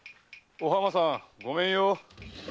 お浜さんご免よ！